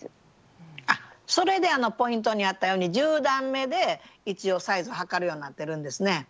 あっそれでポイントにあったように１０段めで一応サイズを測るようになってるんですね。